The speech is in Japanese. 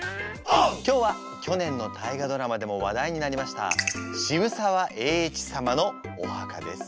今日は去年の大河ドラマでも話題になりました渋沢栄一様のお墓です。